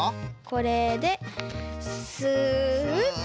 これでスッと。